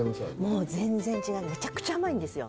もう全然違う、めちゃくちゃ甘いんですよ。